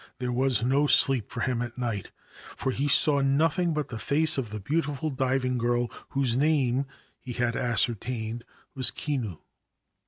There was nc sleep for him at night, for he saw nothing but the face ol the beautiful diving girl, whose name (he had ascertained^ was Kinu.